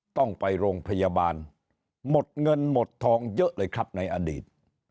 ต้องไปโรงพยาบาลหมดเงินหมดทองเยอะเลยครับในอดีต